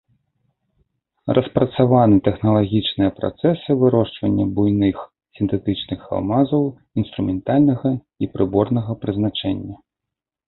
Распрацаваны тэхналагічныя працэсы вырошчвання буйных сінтэтычных алмазаў інструментальнага і прыборнага прызначэння.